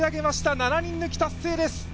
７人抜き達成です。